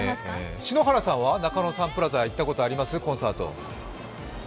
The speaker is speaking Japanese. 篠原さんは中野サンプラザ行ったことあります、コンサート。